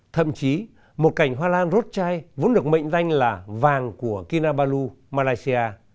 thậm chí một cảnh hoa lan rốt chai vốn được mệnh danh là vàng của kinabalu malaysia